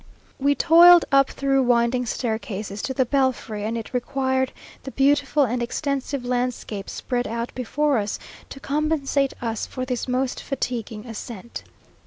We toiled up through winding staircases to the belfry; and it required the beautiful and extensive landscape spread out before us, to compensate us for this most fatiguing ascent.